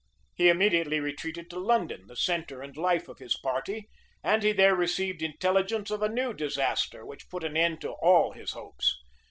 He immediately retreated to London, the centre and life of his party; and he there received intelligence of a new disaster, which put an end to all his hopes.